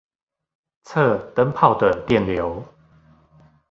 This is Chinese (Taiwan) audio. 測燈泡的電流